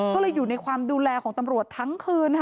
ก็เลยอยู่ในความดูแลของตำรวจทั้งคืน